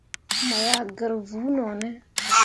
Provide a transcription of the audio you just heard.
Mo yah gǝr vuu no ne ?